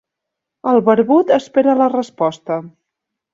El barbut espera la resposta.